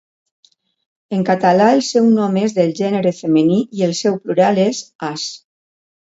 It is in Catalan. En català el seu nom és del gènere femení i el seu plural és as.